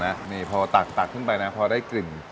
นี่พอตักขึ้นไปนะพอได้กลิ่น